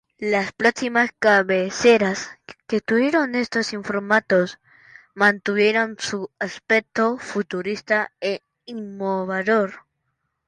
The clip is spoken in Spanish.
Las próximas cabeceras que tuvieron estos informativos mantuvieron su aspecto futurista e innovador.